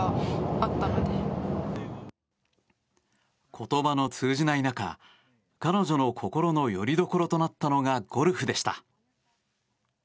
言葉の通じない中彼女の心のよりどころとなったのがゴルフでした。